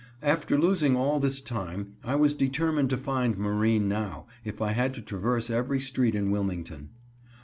After losing all this time, I was determined to find Marine now, if I had to traverse every street in Wilmington.